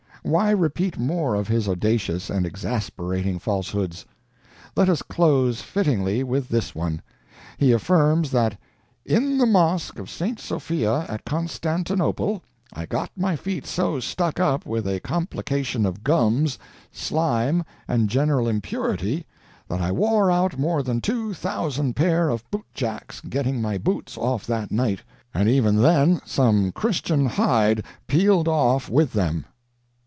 Why repeat more of his audacious and exasperating falsehoods? Let us close fittingly with this one: he affirms that "in the mosque of St. Sophia at Constantinople I got my feet so stuck up with a complication of gums, slime, and general impurity, that I wore out more than two thousand pair of bootjacks getting my boots off that night, and even then some Christian hide peeled off with them."